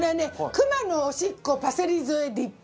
クマのおしっこパセリ添えディップ。